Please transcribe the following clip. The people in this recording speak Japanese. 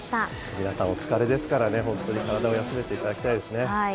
皆さんお疲れですからね、本当に体を休めていただきたいですね。